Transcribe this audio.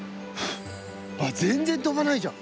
全然飛ばないじゃん。